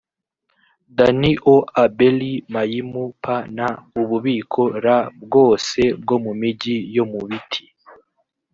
dani o abeli mayimu p n ububiko r bwose bwo mu migi yo mubiti